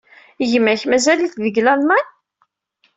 Gma-k mazal-it deg Lalman?